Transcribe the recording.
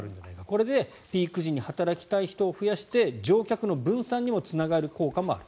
これでピーク時に働きたい人を増やして乗客の分散にもつながる効果もある。